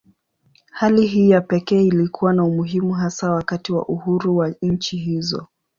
Hali hii ya pekee ilikuwa na umuhimu hasa wakati wa uhuru wa nchi hizo.